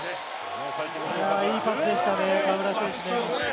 いいパスでしたね河村選手ね。